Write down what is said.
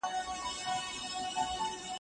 په ښوونځي کي باید له ماشومانو سره مینه وسي.